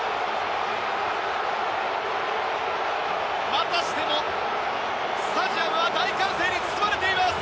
またしてもスタジアムは大歓声に包まれています。